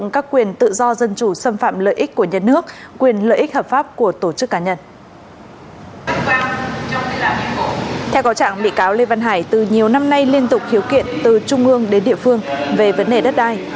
có chẳng bị cáo lê văn hải từ nhiều năm nay liên tục khiếu kiện từ trung ương đến địa phương về vấn đề đất đai